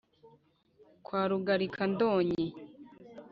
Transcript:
kwa rugarika-ndonyi